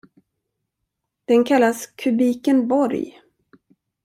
Den kallas Kubikenborg.